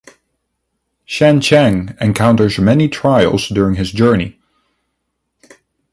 Chen Xiang encounters many trials during his journey.